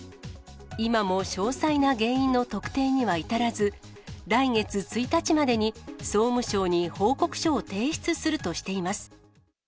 今も詳細な原因の特定には至らず、来月１日までに、総務省に報告書を提出するとしています。